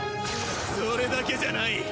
それだけじゃない！